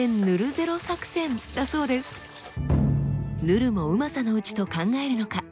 ヌルも旨さのうちと考えるのか？